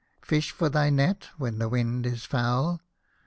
" Fish for thy net, when the wind is foul